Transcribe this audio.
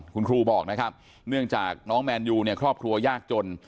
คุณครูบอกนะครับเนื่องจากน้องแมนยูเนี่ยครอบครัวยากจน